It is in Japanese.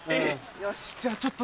よしじゃあちょっと。